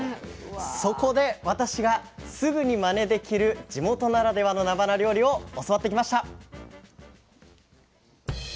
そこで私がすぐにまねできる地元ならではのなばな料理を教わってきました。